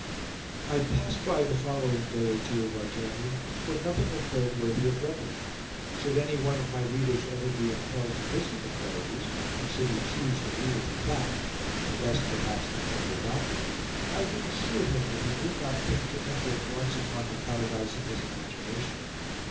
I pass by the following day or two of our journey, for nothing occurred worthy of record. Should any one of my readers ever be impelled to visit the prairies, and should he choose the route of the Platte (the best, perhaps, that can be adopted), I can assure him that he need not think to enter at once upon the paradise of his imagination.